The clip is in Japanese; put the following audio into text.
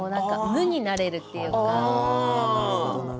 無になれるというか。